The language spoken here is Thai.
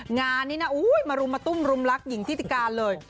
งานนี้นะมารุมมาตุ้มรุมรักหญิงทิติการเลย